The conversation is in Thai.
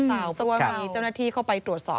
เพราะว่ามีเจ้าหน้าที่เข้าไปตรวจสอบ